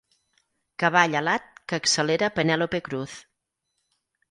Cavall alat que accelera Penèlope Cruz.